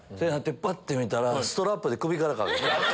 ぱって見たらストラップで首からかけてた。